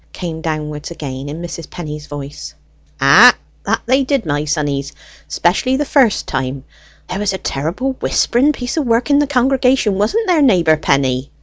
came downwards again in Mrs. Penny's voice. "Ay, that they did, my sonnies! especially the first time. There was a terrible whispering piece of work in the congregation, wasn't there, neighbour Penny?"